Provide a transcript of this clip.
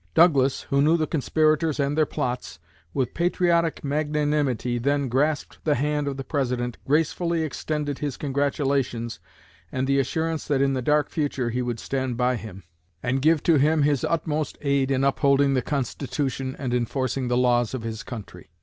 Douglas, who knew the conspirators and their plots, with patriotic magnanimity then grasped the hand of the President, gracefully extended his congratulations, and the assurance that in the dark future he would stand by him, and give to him his utmost aid in upholding the Constitution and enforcing the laws of his country."